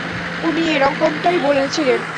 উনি এরকমটাই বলেছিলেন।